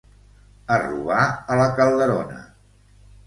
A robar, a la Calderona.